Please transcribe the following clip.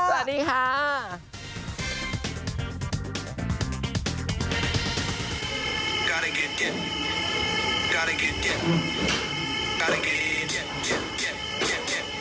ต้องกินตาย